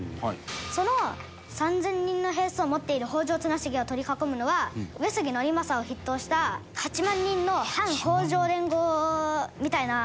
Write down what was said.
その３０００人の兵数を持っている北条綱成を取り囲むのは上杉憲政を筆頭とした８万人の反北条連合みたいなものです。